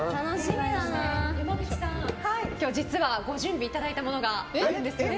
山口さん、今日、実はご準備いただいたものがあるんですよね。